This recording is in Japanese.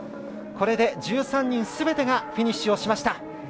これで１３人すべてがフィニッシュをしました。